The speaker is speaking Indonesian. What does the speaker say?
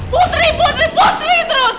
putri putri putri terus